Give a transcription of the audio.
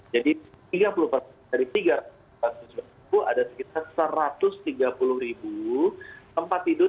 jadi dari tiga ratus delapan puluh ada sekitar satu ratus tiga puluh tempat tidur